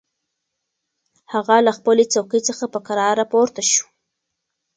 هغه له خپلې څوکۍ څخه په کراره پورته شوه.